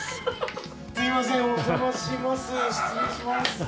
すいませんお邪魔します失礼します。